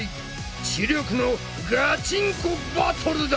知力のガチンコバトルだ！